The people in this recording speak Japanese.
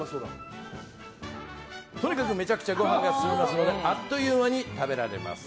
とにかくめちゃくちゃご飯が進みますのであっという間に食べられます。